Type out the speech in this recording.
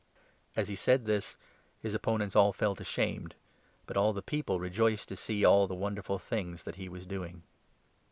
" As he said this, his opponents all felt ashamed ; but all the 17 people rejoiced to see all the wonderful things that he was doing.